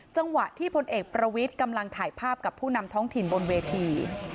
จังหวะที่พลเอกประวิทย์กำลังถ่ายภาพกับผู้นำท้องถิ่นบนเวที